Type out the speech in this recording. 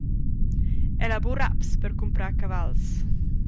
El ha buca raps per cumprar cavals.